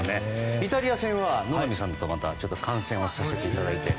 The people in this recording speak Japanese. イタリア戦は野上さんと観戦をさせていただいて。